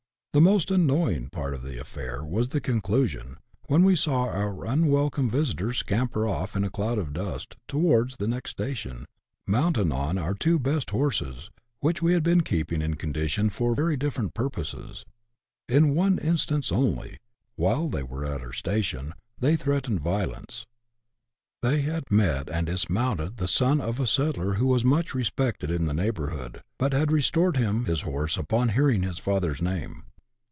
The most annoying part of the affair was the conclusion, when we saw our unwelcome visitors scamper off, in a cloud of dust, towards the next station, mounted on our two best horses, which we had been keeping in condition for very different purposes. In one instance only, while they were at our station, they threatened violence. They had met and dismounted the son of a settler who was much respected in the neighbourhood, but had restored him his horse upon hearing his father's name.